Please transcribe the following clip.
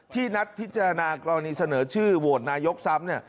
นัดพิจารณากรณีเสนอชื่อโหวตนายกซ้ำเนี่ย